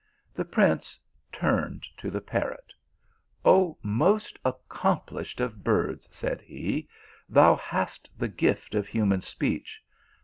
The prince turned to the parrot. " Oh most accomplished of birds," said he, "thou hast the gift of human speech.